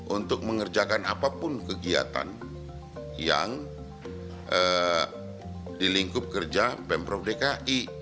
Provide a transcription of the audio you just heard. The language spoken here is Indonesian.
untuk mengerjakan apapun kegiatan yang di lingkup kerja pemprov dki